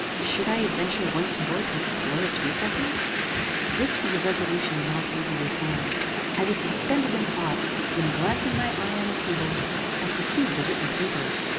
Should I adventure once more to explore its recesses? This was a resolution not easily formed. I was suspended in thought: when glancing my eye on a table, I perceived a written paper.